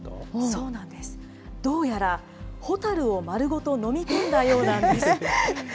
そうなんです、どうやら、蛍を丸ごと飲み込んだようなんです。